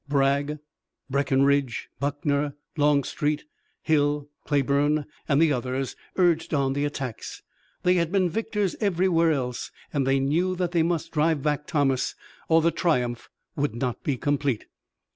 Bragg, Breckinridge, Buckner, Longstreet, Hill, Cleburne and the others urged on the attacks. They had been victors everywhere else and they knew that they must drive back Thomas or the triumph would not be complete.